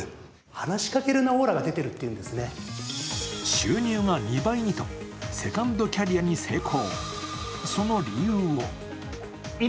収入が２倍にと、セカンドキャリアに成功。